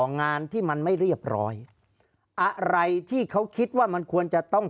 งานที่มันไม่เรียบร้อยอะไรที่เขาคิดว่ามันควรจะต้อง